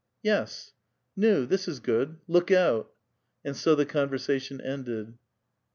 " Yes." *' Nu^ this is good. Look out." And so the conversation ended.